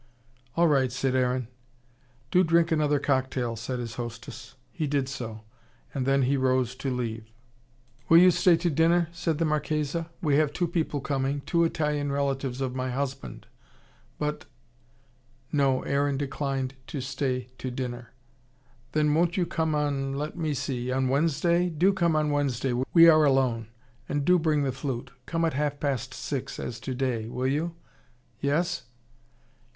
"All right," said Aaron. "Do drink another cocktail," said his hostess. He did so. And then he rose to leave. "Will you stay to dinner?" said the Marchesa. "We have two people coming two Italian relatives of my husband. But " No, Aaron declined to stay to dinner. "Then won't you come on let me see on Wednesday? Do come on Wednesday. We are alone. And do bring the flute. Come at half past six, as today, will you? Yes?"